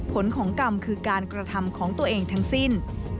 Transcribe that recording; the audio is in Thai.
ผลของกรรมคือการกระทำของตัวเองทั้งสิ้น